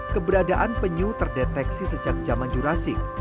keberadaan penyu terdeteksi sejak zaman jurasik